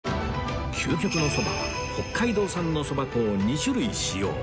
究極のそばは北海道産のそば粉を２種類使用